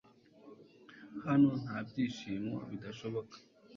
hano, nta byishimo bidashoboka